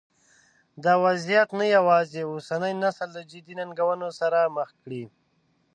دا وضعیت نه یوازې اوسنی نسل له جدي ننګونو سره مخ کړی.